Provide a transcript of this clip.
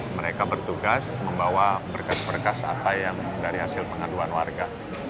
mereka bertugas membawa berkas berkas apa yang dari hasil pengaduan warga